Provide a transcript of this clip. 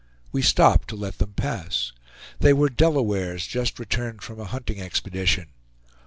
We stopped to let them pass. They were Delawares, just returned from a hunting expedition.